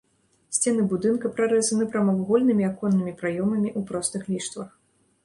Сцены будынка прарэзаны прамавугольнымі аконнымі праёмамі ў простых ліштвах.